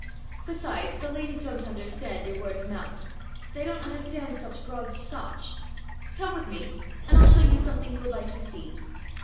Besides, the ladies don't understand your word of mouth; they don't understand such broad Scotch. Come with me, and I'll show you something you would like to see."